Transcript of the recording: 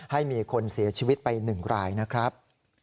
ให้มีคนเสียชีวิตไป๑รายนะครับ